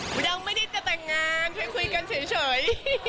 ยังไม่ได้จะแต่งงานเพื่อคุยกันเฉย